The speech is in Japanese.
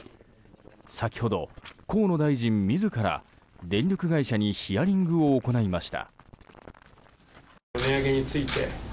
先ほど、河野大臣自ら電力会社にヒアリングを行いました。